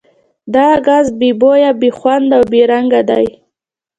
دا ګاز بې بویه، بې خونده او بې رنګه دی.